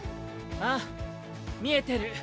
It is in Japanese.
ああ見えてる。